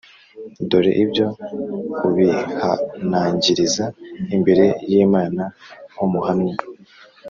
Dore ibyo ubihanangiriza imbere y’Imana nk’umuhamya